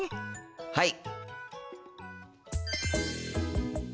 はい！